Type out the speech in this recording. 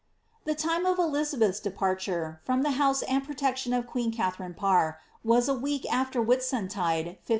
The time of Elixabeth^i defMotnre from the house and protection of qneea Katharine Parr, was q week after Whitsuntide 1548.